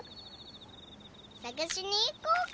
さがしにいこうか？